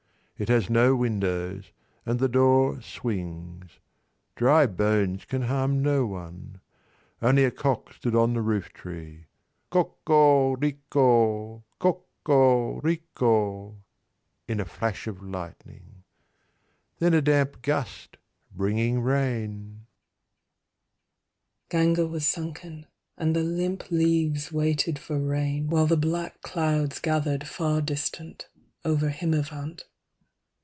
It has no windows, and the door swings, Dry bones can harm no one. 390 Only a cock stood on the rooftree Co co rico co co rico In a flash of lightning. Then a damp gust Bringing rain Ganga was sunken, and the limp leaves Waited for rain, while the black clouds Gathered far distant, over Himavant.